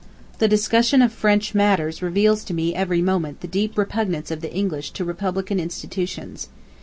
The discussion of French matters reveals to me every moment the deep repugnance of the English to republican institutions.